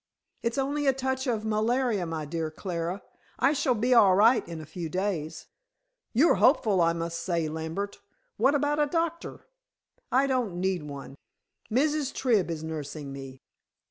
"It's only a touch of malaria, my dear Clara. I shall be all right in a few days." "You're hopeful, I must say, Lambert. What about a doctor?" "I don't need one. Mrs. Tribb is nursing me."